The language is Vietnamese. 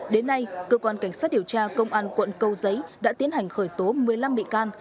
đến nay cơ quan cảnh sát điều tra công an quận câu giấy đã tiến hành khởi tố một mươi năm bị can